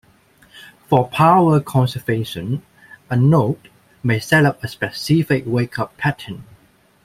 For power conservation, a node may set up a specific wake up pattern.